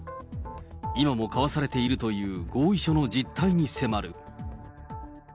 今も交わされているという合意書の実態に迫る。